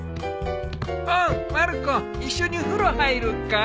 おうまる子一緒に風呂入るか？